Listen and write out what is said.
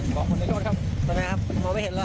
ทำไมครับมองไม่เห็นเหรอ